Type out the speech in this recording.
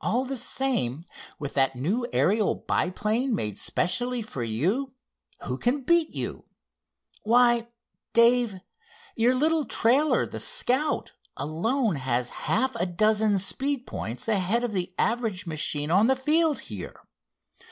All the same, with that new Ariel, biplane, made specially for you, who can beat you? Why, Dave, your little trailer, the Scout, alone has half a dozen speed points ahead of the average machine on the field here.